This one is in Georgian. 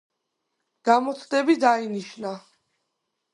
გამოცდები დაინიშნა